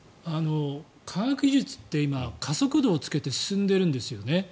科学技術って今、加速度をつけて進んでいるんですよね。